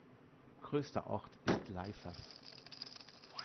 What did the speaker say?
Größter Ort ist Leifers.